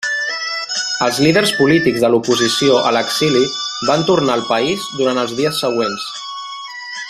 Els líders polítics de l'oposició a l'exili van tornar al país durant els dies següents.